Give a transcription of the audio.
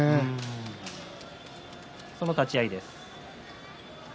その立ち合いです。